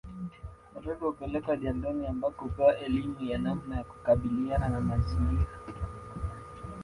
Watoto hupelekwa jandoni ambako hupewa elimu ya namna ya kukabiliana na mazingira